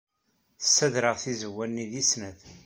Ssadreɣ tizewwa-nni deg snat.